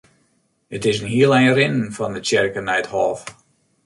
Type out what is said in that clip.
It is in hiel ein rinnen fan de tsjerke nei it hôf.